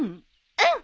うん！